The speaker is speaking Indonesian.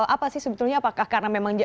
apa sih sebetulnya apakah karena memang